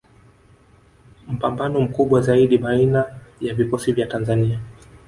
Mpambano mkubwa zaidi baina ya vikosi vya Tanzania